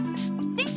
先生！